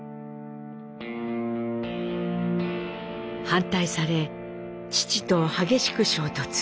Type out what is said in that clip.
反対され父と激しく衝突。